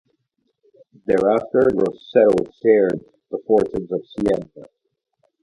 Thereafter Grosseto shared the fortunes of Siena.